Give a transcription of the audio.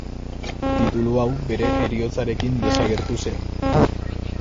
Titulu hau bere heriotzarekin desagertu zen.